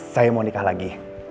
saya mau nikah lagi